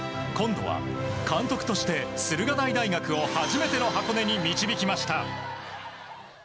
今度は監督として駿河台大学を初めての箱根に導きました。